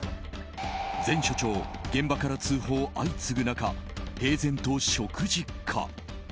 前署長、現場から通報相次ぐ中平然と食事。